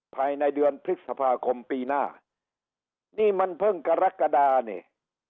ภายในเดือนพฤษภาคมปีหน้านี่มันเพิ่งกระลักษณ์กระดาษ์เนี่ย